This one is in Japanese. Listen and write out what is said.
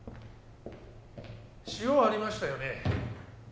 塩ありましたよね